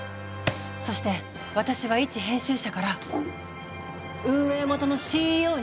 そして私はいち編集者から運営元のＣＥＯに転身する。